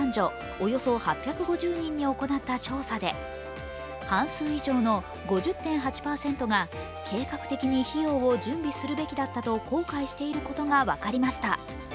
およそ８５０人に行った調査で半数以上の５０．８％が計画的に費用を準備するべきだったと後悔していることが分かりました。